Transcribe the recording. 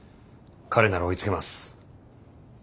彼なら追いつけます。